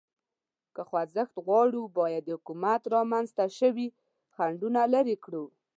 که خوځښت غواړو، باید د حکومت رامنځ ته شوي خنډونه لرې کړو.